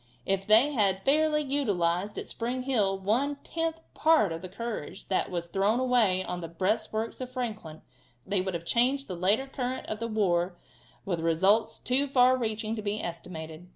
If they had fairly utilized at Spring Hill one tenth part of the courage that was thrown away on the breastworks of Franklin they would have changed the later current of the war with results too far reaching to be estimated.